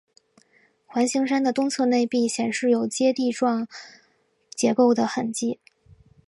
环形山的东侧内壁显示有阶地状结构的痕迹。